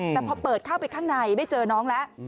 แต่พอเปิดเข้าไปข้างในไม่เจอน้องแล้ว